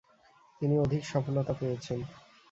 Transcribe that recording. তিনি অধিক সফলতা পেয়েছেন।